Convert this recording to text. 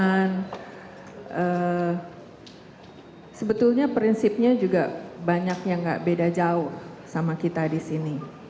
dan sebetulnya prinsipnya juga banyak yang tidak beda jauh sama kita di sini